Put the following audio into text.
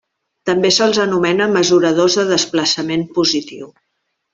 També se'ls anomena mesuradors de desplaçament positiu.